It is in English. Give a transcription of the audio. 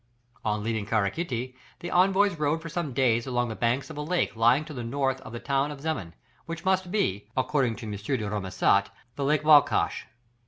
On leaving Kara Kâty the envoys rode for some days along the banks of a lake lying to the north of the town of Zeman, which must be, according to M. de Rémusat, the Lake Balkash.